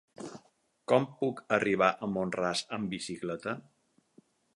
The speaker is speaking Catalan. Com puc arribar a Mont-ras amb bicicleta?